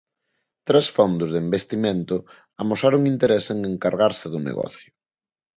Tres fondos de investimento amosaron interese en encargarse do negocio.